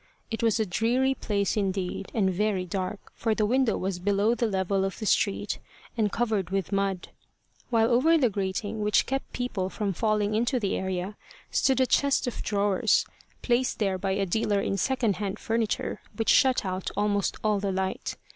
It was a dreary place indeed, and very dark, for the window was below the level of the street, and covered with mud, while over the grating which kept people from falling into the area, stood a chest of drawers, placed there by a dealer in second hand furniture, which shut out almost all the light.